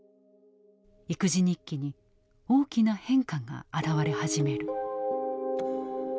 育児日記に大きな変化が現れ始める。